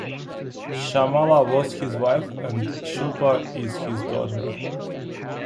Shyamala was his wife and Shilpa is his daughter.